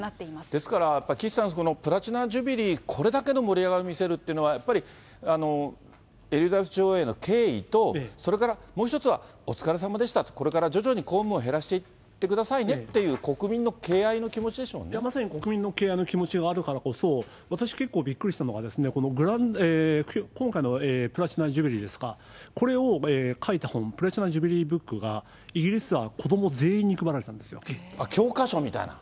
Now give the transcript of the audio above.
ですから、岸さん、このプラチナ・ジュビリー、これだけの盛り上がり見せるっていうのは、やっぱりエリザベス女王への敬意と、それからもう一つは、お疲れさまでした、これから徐々に公務を減らしていってくださいねっていう国民の敬いや、まさに国民の敬愛の気持ちがあるからこそ、私、結構びっくりしたのが、今回のプラチナ・ジュビリーですか、これを書いた本、プラチナ・ジュビリーブックがイギリスは子ども全員に配られたん教科書みたいな？